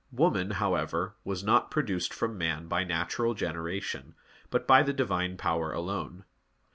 Woman, however, was not produced from man by natural generation, but by the Divine Power alone.